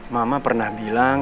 mama pernah bilang